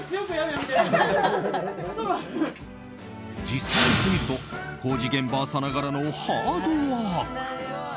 実際やってみると工事現場さながらのハードワーク。